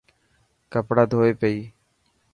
ڪپڙا ڌوئي پئي.